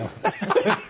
ハハハハ。